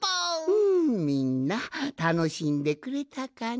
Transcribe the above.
うんみんなたのしんでくれたかの？はい！